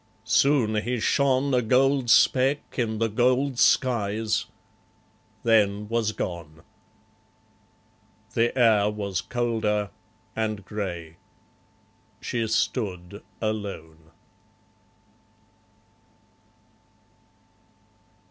Soon he shone A gold speck in the gold skies; then was gone. The air was colder, and grey. She stood alone.